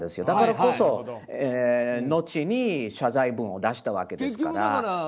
だからこそ、後に謝罪文を出したわけですから。